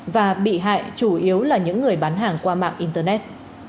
và bị hại chủ yếu là những người bán hàng qua mạng internet